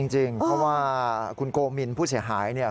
จริงเพราะว่าคุณโกมินผู้เสียหายเนี่ย